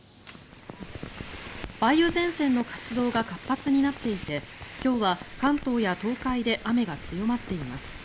梅雨前線の活動が活発になっていて今日は関東や東海で雨が強まっています。